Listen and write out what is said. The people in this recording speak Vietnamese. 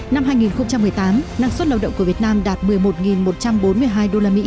năm hai nghìn một mươi tám năng suất lao động của việt nam đạt một mươi một một trăm bốn mươi hai usd